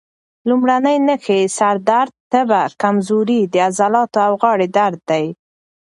لومړنۍ نښې یې سر درد، تبه، کمزوري، د عضلاتو او غاړې درد دي.